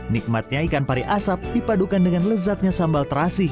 nikmatnya ikan pari asap dipadukan dengan lezatnya sambal terasi